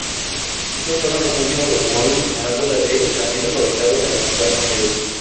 Estos fueron los últimos automóviles con válvula de camisa fabricados en los Estados Unidos.